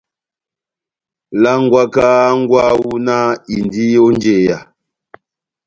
Langwaka hángwɛ wawu náh indi ó njeya.